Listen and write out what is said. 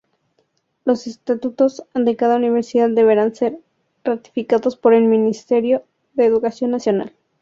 Los estatutos de cada universidad deberán ser ratificados por el ministro de Educación nacional.